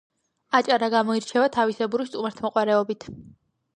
აჭარა გამოირჩევა თავისებური სტუმართმოყვარეობით